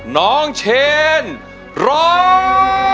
น้องเชนร้อง